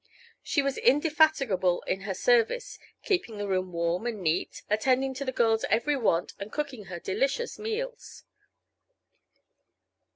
She was indefatigable in her service, keeping the room warm and neat, attending to the girl's every want and cooking her delicious meals.